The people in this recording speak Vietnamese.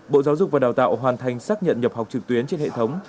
bộ giáo dục và đào tạo hoàn thành xác nhận nhập học trực tuyến trên hệ thống